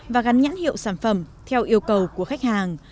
và gắn nhãn hiệu sản phẩm theo yêu cầu của khách hàng